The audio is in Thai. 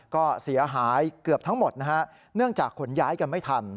ก็เสียหายเกือบทั้งหมดนะฮะเนื่องจากขนย้ายกันไม่ทัน